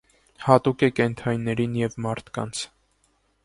Հատուկ է կենդանիներին և մարդկանց։